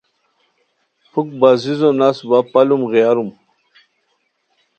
پُھک ہازیزو نس وا پالوم غیاروم